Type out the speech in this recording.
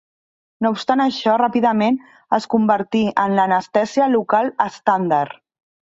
No obstant això ràpidament es convertí en l’anestèsia local estàndard.